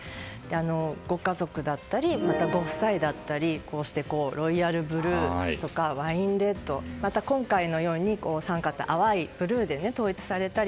ご家族だったりまた、ご夫妻だったりロイヤルブルーですとかワインレッドまた今回のように、お三方淡いブルーで統一されたり。